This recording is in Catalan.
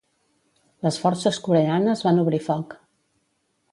Les forces coreanes van obrir foc.